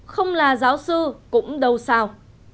không là giáo sư cũng đâu sao